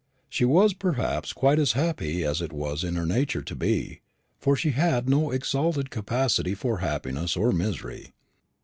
She was perhaps quite as happy as it was in her nature to be; for she had no exalted capacity for happiness or misery.